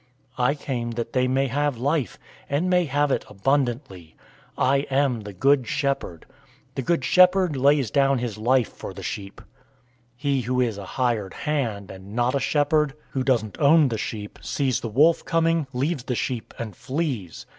I came that they may have life, and may have it abundantly. 010:011 I am the good shepherd.{Isaiah 40:11; Ezekiel 34:11 12,15,22} The good shepherd lays down his life for the sheep. 010:012 He who is a hired hand, and not a shepherd, who doesn't own the sheep, sees the wolf coming, leaves the sheep, and flees.